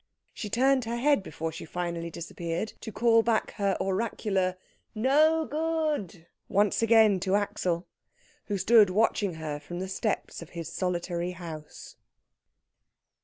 She turned her head before she finally disappeared, to call back her oracular "No good!" once again to Axel, who stood watching her from the steps of his solitary house.